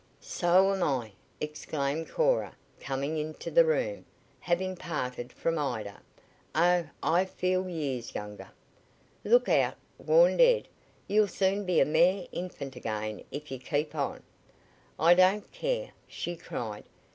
"So am I!" exclaimed Cora, coming into the room, having parted from Ida. "Oh, I feel years younger!" "Look out!" warned Ed. "You'll soon be a mere infant again if you keep on." "I don't care!" she cried.